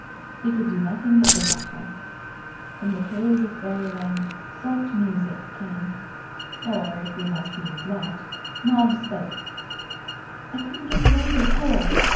He could do nothing but look at her. From the Hills of Fairyland soft music came. Or, if we must be exact, Maud spoke. "I couldn't get away before!"